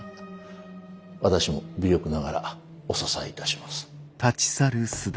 私も微力ながらお支えいたします。